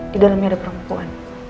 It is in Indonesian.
di dalamnya ada perempuan